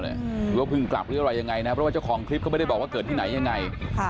หรือว่าเพิ่งกลับหรืออะไรยังไงนะเพราะว่าเจ้าของคลิปเขาไม่ได้บอกว่าเกิดที่ไหนยังไง